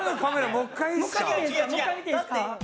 もう１回見ていいですか？